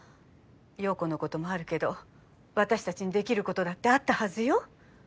葉子のこともあるけど私たちにできることだってあったはずよ。